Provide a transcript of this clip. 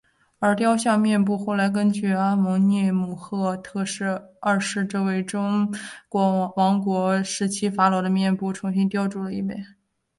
而雕像的面部后来根据阿蒙涅姆赫特二世这位中王国时期法老的面部重新雕琢了一遍。